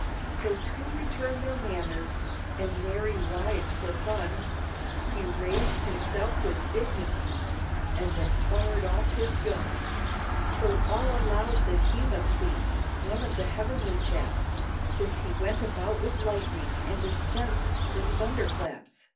So to return their manners, and nary wise for fun, He raised himself with dignity, and then fired off his gun: So all allowed that he must be one of the heavenly chaps, Since he went about with lightning and dispensed with thunderclaps.